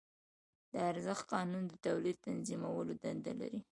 د ارزښت قانون د تولید تنظیمولو دنده لري